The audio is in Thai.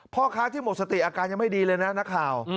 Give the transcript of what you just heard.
พ่อค้าที่หมดสติอาการยังไม่ดีเลยนะนักข่าว